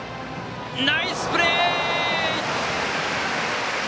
ナイスプレー！